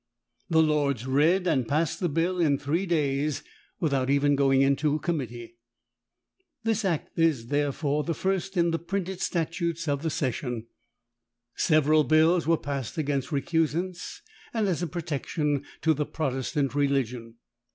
The lords read and passed the bill in three days, without even going into a committee. This act is, therefore, the first in the printed statutes of the session. Several bills were passed against recusants and as a protection to the Protestant religion.